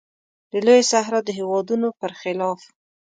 د لویې صحرا د هېوادونو پر خلاف.